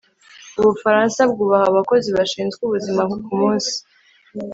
ubufaransa bwubaha abakozi bashinzwe ubuzima kumunsi